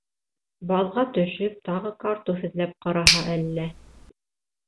Баҙға төшөп, тағы картуф эҙләп ҡараһа әллә?